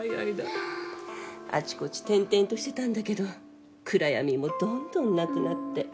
あちこち転々としてたんだけど暗闇もどんどんなくなって。